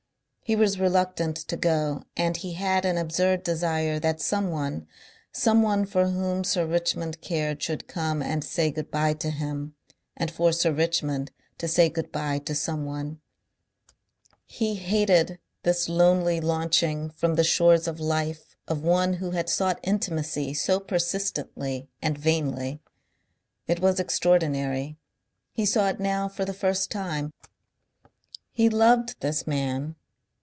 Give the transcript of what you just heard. He was reluctant to go and he had an absurd desire that someone, someone for whom Sir Richmond cared, should come and say good bye to him, and for Sir Richmond to say good bye to someone. He hated this lonely launching from the shores of life of one who had sought intimacy so persistently and vainly. It was extraordinary he saw it now for the first time he loved this man.